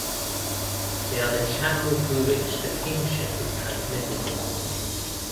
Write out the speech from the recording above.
They are the channel through which the kingship is transmitted.